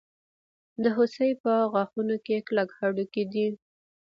د هوسۍ په غاښونو کې کلک هډوکی دی.